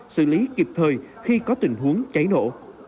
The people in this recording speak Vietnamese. xử lý kịp thời khi có tình huống cháy nổ